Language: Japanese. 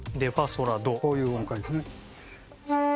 こういう音階ですね。